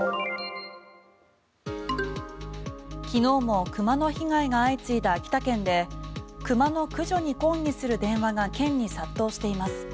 昨日もクマの被害が相次いだ秋田県でクマの駆除に抗議する電話が県に殺到しています。